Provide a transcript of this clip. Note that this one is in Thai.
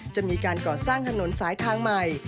จะมีการก่อสร้างถนนสายทางใหม่